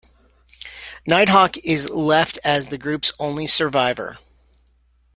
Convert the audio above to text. Nighthawk is left as the group's only survivor.